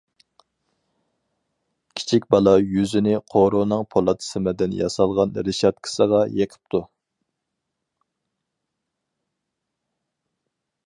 كىچىك بالا يۈزىنى قورۇنىڭ پولات سىمدىن ياسالغان رېشاتكىسىغا يېقىپتۇ.